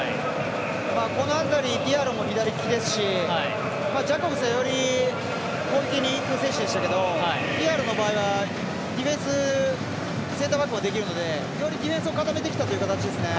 この辺りディアロも左利きですしジャコブスは、より攻撃にいく選手でしたけどディアロの場合はディフェンスセンターバックもできるので非常にディフェンスを固めてきたという形ですね。